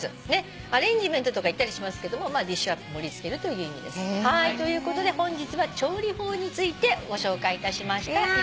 アレンジメントとか言ったりしますけどディッシュアップ盛り付けるという意味です。ということで本日は調理法についてご紹介いたしました。